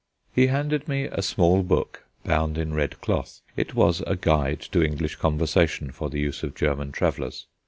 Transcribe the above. He handed me a small book bound in red cloth. It was a guide to English conversation for the use of German travellers.